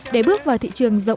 để bước vào thị trường việt nam